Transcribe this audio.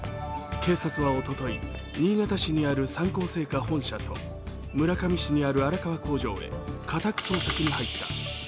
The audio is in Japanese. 警察はおととい、新潟市にある三幸製菓本社と村上市にある荒川工場へ家宅捜索に入った。